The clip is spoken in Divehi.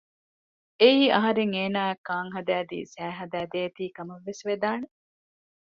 އެއީ އަހަރެން އޭނާއަށް ކާން ހަދައިދީ ސައި ހަދައި ދޭތީ ކަމަށްވެސް ވެދާނެ